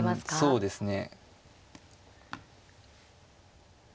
そうですね。